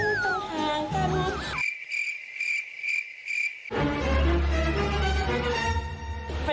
สองเราลงตรงหางกัน